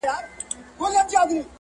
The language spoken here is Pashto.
چي پخپله چا تغییر نه وي منلی!!!!!